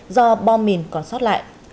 do bom mìn còn sót lại